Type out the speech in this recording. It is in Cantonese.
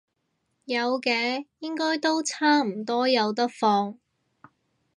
有嘅，應該都差唔多有得放